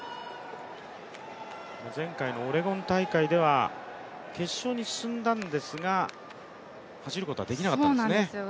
前回のオレゴン大会では決勝に進んだんですが、走ることはできなかったんですね。